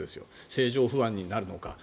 政情不安になるのか